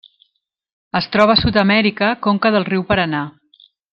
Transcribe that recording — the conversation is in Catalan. Es troba a Sud-amèrica: conca del riu Paranà.